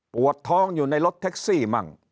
ปวดท้องอยู่ในรถแท็กซี่มั่ง